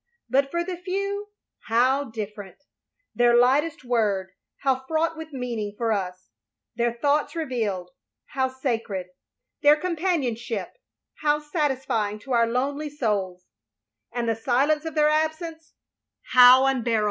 But for the few, how different! Their lightest word, how fraught with meaning — ^for us; their thoughts revealed — ^how sacred; their companionship, how satisfying to our lonely souls; and the silence of their absence — how unbearable!